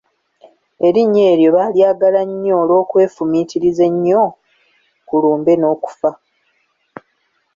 Erinnya eryo baalyagala nnyo olw'okwefumiitiriza ennyo ku lumbe n'okufa.